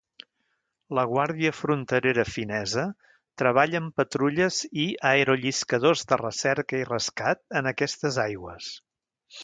La Guàrdia Fronterera Finesa treballa amb patrulles i aerolliscadors de recerca i rescat en aquestes aigües.